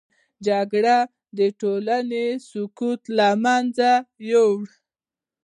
جګړه د ټولنې سکون له منځه وړي